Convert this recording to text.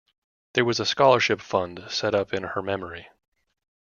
There was a scholarship fund set up in her memory.